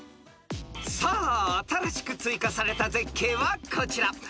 ［さあ新しく追加された絶景はこちら］